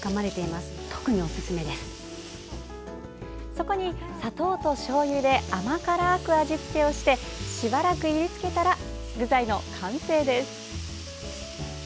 そこに砂糖としょうゆで甘辛く味付けをしてしばらくいりつけたら具材の完成です。